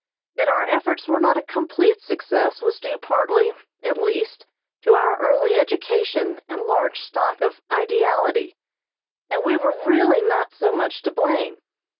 That our efforts were not a complete success was due partly, at least, to our early education and large stock of ideality, and we were really not so much to blame.